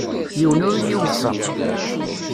Yiwen ur y-iwefeq.